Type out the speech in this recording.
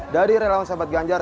dari relawan sahabat ganjar